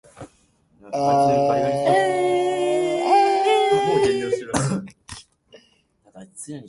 あー。